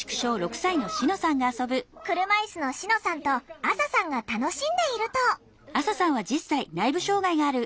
車いすのしのさんとあささんが楽しんでいると。